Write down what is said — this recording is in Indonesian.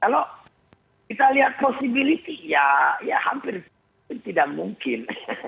kalau kita lihat possibility ya hampir tidak mungkin